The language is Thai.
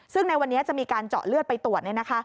ซึ่งในวันนี้จะมีการเจาะเลือดไปตรวจ